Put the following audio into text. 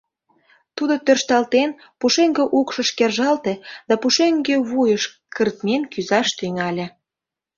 Тудо тӧршталтен, пушеҥге укшыш кержалте да пушеҥге вуйыш кыртмен кӱзаш тӱҥале.